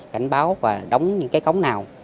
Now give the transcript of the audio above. cảnh báo và đóng những cái cống nào